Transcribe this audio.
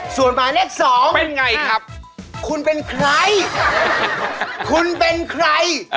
ส่วนหมายเลข๒นะครับคุณเป็นใครคุณเป็นใคร